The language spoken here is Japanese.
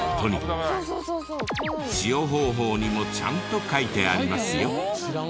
使用方法にもちゃんと書いてありますよ。